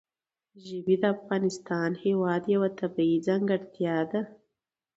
ژبې د افغانستان هېواد یوه طبیعي ځانګړتیا ده.